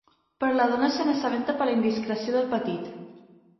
Però la dona se n'assabenta per la indiscreció del petit.